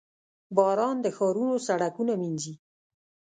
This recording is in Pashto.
• باران د ښارونو سړکونه مینځي.